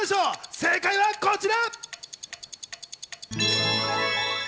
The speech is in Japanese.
正解はこちら！